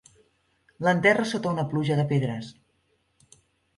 L'enterra sota una pluja de pedres.